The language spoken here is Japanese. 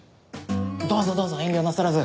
どうぞどうぞ遠慮なさらず。